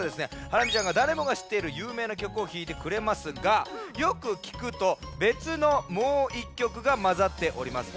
ハラミちゃんがだれもがしっているゆうめいな曲をひいてくれますがよくきくとべつのもう１曲がまざっております。